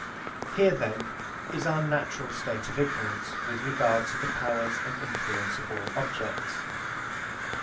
Here, then, is our natural state of ignorance with regard to the powers and influence of all objects.